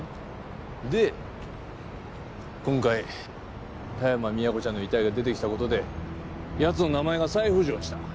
で今回田山宮子ちゃんの遺体が出てきた事で奴の名前が再浮上した。